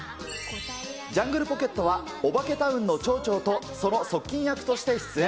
ジャングルポケットは、オバケタウンの町長とその側近役として出演。